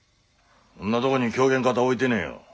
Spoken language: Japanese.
そんなとこに狂言方は置いてねえよ。